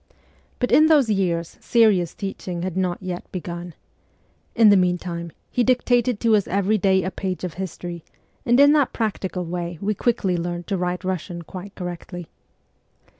But in those years serious teaching had not yet begun. In the meantime he dictated to us every day a page of history ) and in that practical way we quickly learned to write Russian quite correctly.